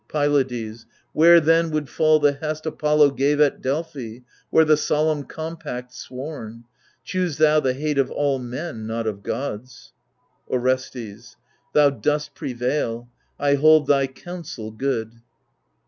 Pylades Where then would fall the hest Apollo gave At Delphi, where the solemn compact sworn ? Choose thou the hate of all men, not of gods. Orestes Thou dost prevail ; I hold thy counsel good.